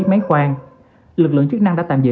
máy khoan lực lượng chức năng đã tạm dự